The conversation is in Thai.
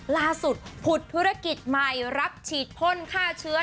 ผุดธุรกิจใหม่รับฉีดพ่นฆ่าเชื้อ